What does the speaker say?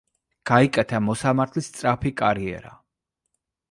გაიკეთა მოსამართლის სწრაფი კარიერა.